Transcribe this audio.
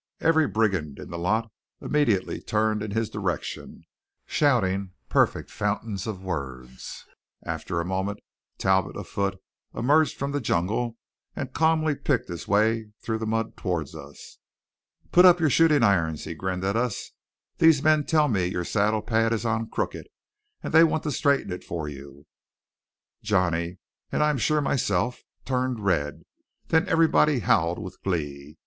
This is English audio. Every brigand in the lot immediately turned in his direction, shouting perfect fountains of words. After a moment Talbot, afoot, emerged from the jungle and calmly picked his way through the mud toward us. "Put up your shooting irons," he grinned at us. "These men tell me your saddle pad is on crooked and they want to straighten it for you." Johnny, and I am sure myself, turned red; then everybody howled with glee.